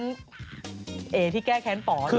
ที่แก้แค้นที่แก้แค้นป๋อหรือเปล่า